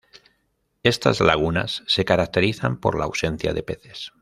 Estas lagunas se caracterizan por la ausencia de peces.